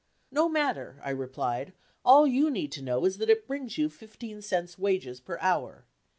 "No matter," I replied; "all you need to know is that it brings you fifteen cents wages per hour.